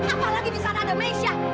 apalagi di sana ada malaysia